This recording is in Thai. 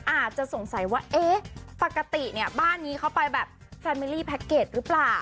อาจจะสงสัยว่าเอ๊ะปกติเนี่ยบ้านนี้เขาไปแบบแฟมิลี่แพ็คเกจหรือเปล่า